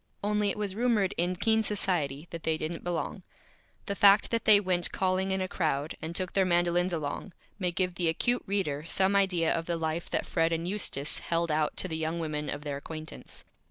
Only it was rumored in Keen Society that they didn't Belong. The Fact that they went Calling in a Crowd, and took their Mandolins along, may give the Acute Reader some Idea of the Life that Fred and Eustace held out to the Young Women of their Acquaintance.